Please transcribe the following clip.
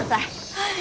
はい